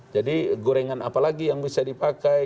jadi gorengan apa lagi yang bisa dipakai